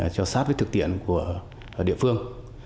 cho sát với thực tiện của địa phương